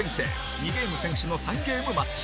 ２ゲーム先取の３ゲームマッチ